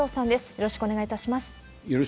よろしくお願いします。